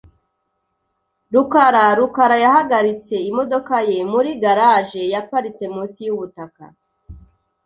[rukara] rukara yahagaritse imodoka ye muri garage yaparitse munsi yubutaka .